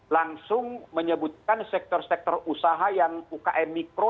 langsung menyebutkan sektor sektor usaha yang ukm mikro